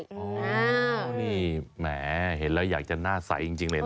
โอ้โหนี่แหมเห็นแล้วอยากจะหน้าใสจริงเลยนะ